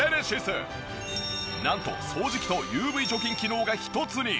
なんと掃除機とＵＶ除菌機能が一つに。